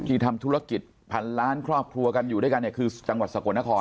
ที่ทำธุรกิจพันล้านครอบครัวกันอยู่ด้วยกันเนี่ยคือจังหวัดสกลนคร